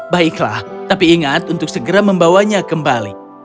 baiklah tapi ingat untuk segera membawanya kembali